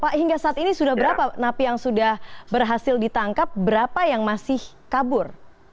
pak hingga saat ini sudah berapa napi yang sudah berhasil ditangkap berapa yang masih kabur